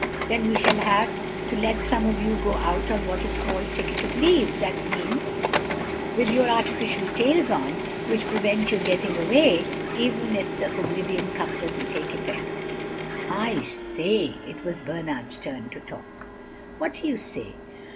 Then we shall have to let some of you out on what is called ticket of leave—that means with your artificial tails on, which prevent you getting away, even if the oblivion cup doesn't take effect." "I say," it was Bernard's turn to ask. "What do you say?"